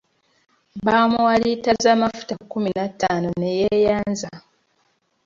Baamuwa liita z’amafuta kkumi na ttano ne yeeyanza.